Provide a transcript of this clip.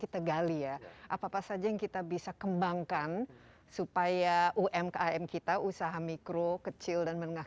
kita gali ya apa apa saja yang kita bisa kembangkan supaya umkm kita usaha mikro kecil dan menengah